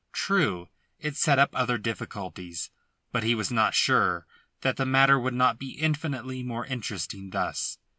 True, it set up other difficulties. But he was not sure that the matter would not be infinitely more interesting thus.